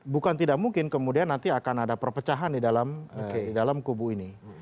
bukan tidak mungkin kemudian nanti akan ada perpecahan di dalam kubu ini